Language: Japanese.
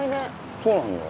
そうなんだよね。